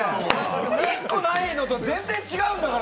１個ないと全然違うんだから！